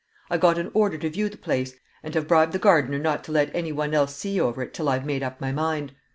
I got an order to view the place, and have bribed the gardener not to let anybody else see over it till I've made up my mind.